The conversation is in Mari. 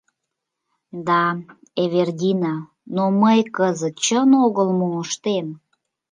— Да, Эвердина, но мый кызыт чын огыл мо ыштем?